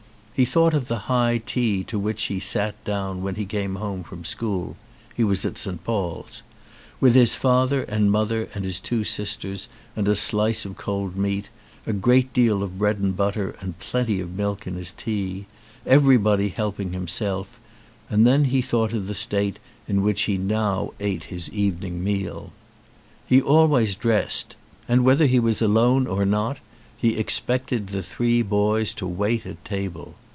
He thought of the high tea to which he sat down when he came home from school (he was at St. Paul's), with his father and mother and his two sisters, a slice of cold meat, a great deal of bread and butter and plenty of milk in his tea, everybody helping himself, and then he thought of the state in which now he ate his evening meal. He always dressed and whether he was alone or 193 ON A CHINESE SCREEN not he expected the three boys to wait at table.